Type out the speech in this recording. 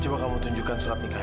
coba kamu tunjukkan surat nikah